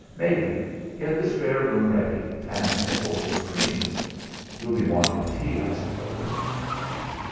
Megan, get the spare room ready, and a bowl of cream. You'll be wanting tea, I suppose."